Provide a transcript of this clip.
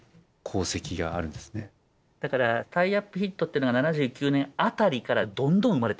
だからタイアップヒットってのが７９年辺りからどんどん生まれていくっていう。